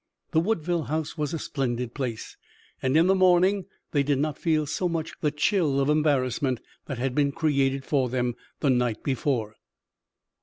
The Woodville house was a splendid place, and in the morning they did not feel so much the chill of embarrassment that had been created for them the night before.